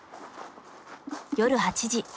夜８時。